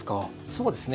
そうですね。